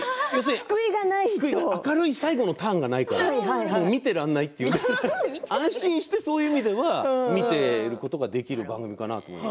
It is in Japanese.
明るい最後のターンがないから見ていられないという安心してそういう意味では見ていることができる番組かなと。